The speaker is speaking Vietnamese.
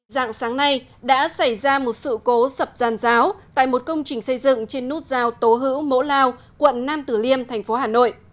dạng sáng nay đã xảy ra một sự cố sập giàn giáo tại một công trình xây dựng trên nút giao tố hữu mỗ lao quận nam tử liêm thành phố hà nội